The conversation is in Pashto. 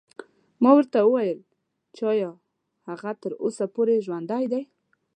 ما ورته وویل چې ایا هغه تر اوسه پورې ژوندی دی.